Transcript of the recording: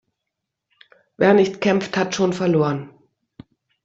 Wer nicht kämpft, hat schon verloren.